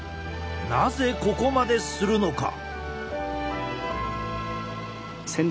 なぜここまでするのか。